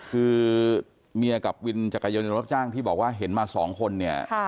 คือเมียกับวินจักรยานยนต์รับจ้างที่บอกว่าเห็นมาสองคนเนี่ย